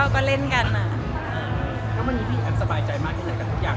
ก็ว่ามันอยู่ที่ให้ทุกอย่าง